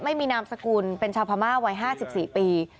ไม่มีนามสกุลเป็นชาวพม่าวัยห้าสิบสี่ปี